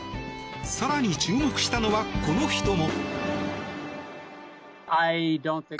更に、注目したのはこの人も。